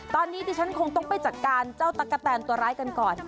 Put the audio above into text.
ตอนนี้ดิฉันคงต้องไปจัดการเจ้าตั๊กกะแตนตัวร้ายกันก่อน